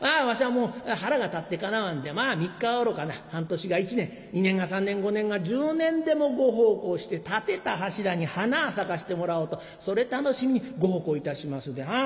わしゃもう腹が立ってかなわんでまあ３日はおろかな半年が１年２年が３年５年が１０年でもご奉公して立てた柱に花咲かしてもらおうとそれ楽しみにご奉公いたしますで。